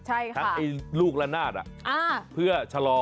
ใช่ค่ะทั้งไอ้ลูกละนาดเพื่อชะลอ